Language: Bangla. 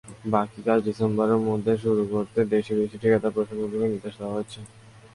বাকি কাজ ডিসেম্বরের মধ্যে শেষ করতে দেশি-বিদেশি ঠিকাদারি প্রতিষ্ঠানগুলোকে নির্দেশ দেওয়া হয়েছে।